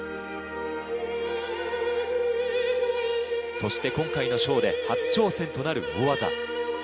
そして今回のショーで初挑戦となる大技。